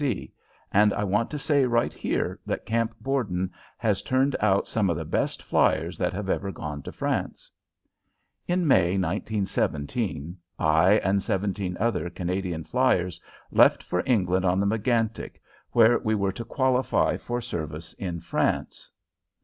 F. C., and I want to say right here that Camp Borden has turned out some of the best fliers that have ever gone to France. In May, 1917, I and seventeen other Canadian fliers left for England on the Megantic, where we were to qualify for service in France.